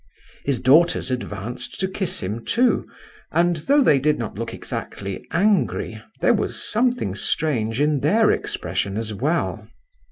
His daughters advanced to kiss him, too, and though they did not look exactly angry, there was something strange in their expression as well.